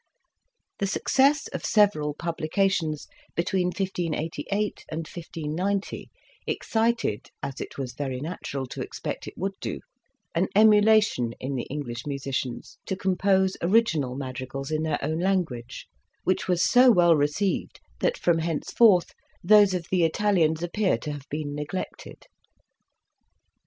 The success of several publications between 1588 and 1590, excited, as it was very natural to expect it would do, an emulation in the English musicians to compose original mad rigals in their own language, which were so well received, that from henceforth those of the Italians appear to have been neglected.